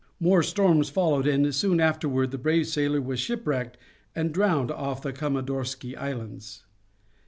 More storms followed, and soon afterward the brave sailor was shipwrecked and drowned off the Comandorski Islands.